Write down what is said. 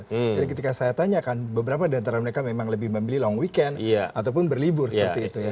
jadi ketika saya tanyakan beberapa dari mereka memang lebih membeli long weekend ataupun berlibur seperti itu ya